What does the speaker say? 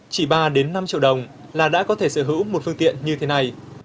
chỉ ba năm triệu đồng là đã có thể sở hữu một phương tiện như thế này